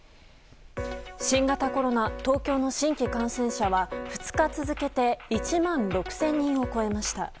新型コロナ東京の新規感染者は２日続けて１万６０００人を超えました。